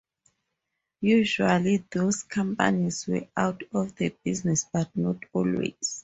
Usually these companies were out of business, but not always.